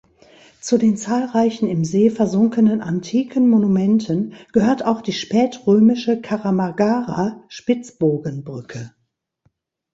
Zu den zahlreichen im See versunkenen antiken Monumenten gehört auch die spätrömische Karamagara-Spitzbogenbrücke.